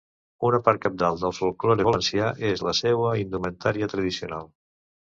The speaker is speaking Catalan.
Una part cabdal del folklore valencià és la seua indumentària tradicional.